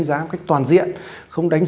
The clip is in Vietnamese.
được rồi chưa